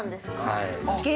はい。